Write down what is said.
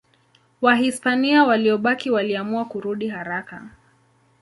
Wahispania waliobaki waliamua kurudi haraka.